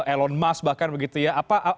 elon musk bahkan begitu ya